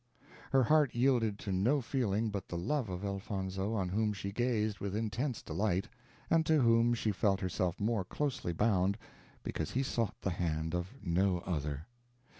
Her heart yielded to no feeling but the love of Elfonzo, on whom she gazed with intense delight, and to whom she felt herself more closely bound, because he sought the hand of no other.